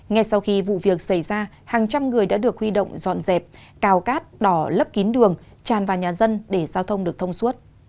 ngay sau khi vụ việc xảy ra hàng trăm người đã được huy động dọn dẹp cào cát đỏ lấp kín đường tràn vào nhà dân để giao thông được thông suốt